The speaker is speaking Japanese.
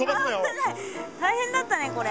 大変だったねこれ。